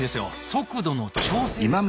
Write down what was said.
速度の調整ですか。